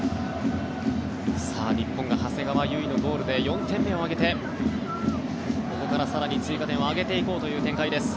日本が長谷川唯のゴールで４点目を挙げてここから更に追加点を挙げていこうという展開です。